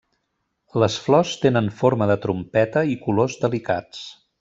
Les flors tenen forma de trompeta i colors delicats.